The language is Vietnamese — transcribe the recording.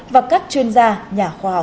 và các chuyên gia nhà khoa học